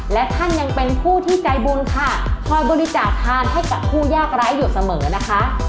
และท่านยังเป็นผู้ที่ใจบุญค่ะคอยบริจาคทานให้กับผู้ยากร้ายอยู่เสมอนะคะ